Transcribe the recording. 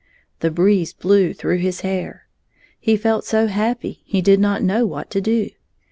The breeze blew through his hair. He felt so happy, he did not know what to do.